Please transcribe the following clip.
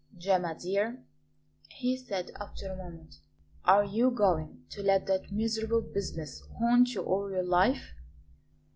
"Gemma, dear," he said after a moment; "are you going to let that miserable business haunt you all your life?